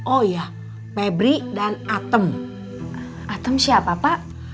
oh iya pebri dan atem atem siapa pak